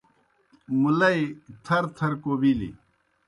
مُلئی تھرتھر کوبِلیْ۔